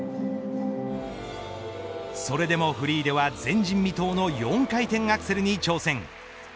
それでもフリーでは前人未踏の４回転アクセルに挑戦。